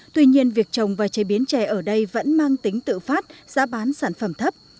tuy nhiên việc trồng và chế biến chè ở đây vẫn mang tính tự phát giá bán sản phẩm thấp